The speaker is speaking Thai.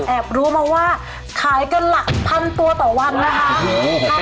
รู้มาว่าขายกันหลักพันตัวต่อวันนะคะ